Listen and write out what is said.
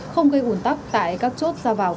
không gây uồn tắc tại các chốt ra vào